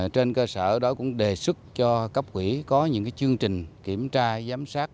trên cơ sở đó cũng đề xuất cho cấp quỹ có những chương trình kiểm tra giám sát